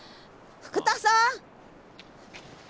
福田さん。